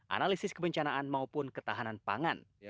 analisis kebencanaan maupun ketahanan pangan